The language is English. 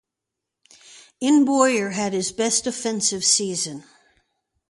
In Boyer had his best offensive season.